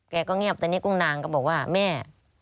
แกก็เงียบแต่นี่กุ้งนางก็บอกว่าแม่